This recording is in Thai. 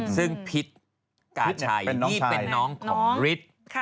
ซึ่งพิษกาชัยนี่เป็นน้องของฤทธิ์